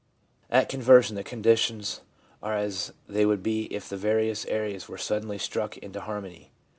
At conversion the conditions are as they would be if the various areas were suddenly struck into harmony.